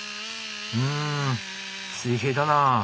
うん水平だなあ。